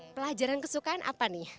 pelajaran kesukaan apa nih